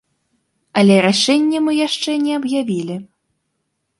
Але рашэнне мы яшчэ не аб'явілі.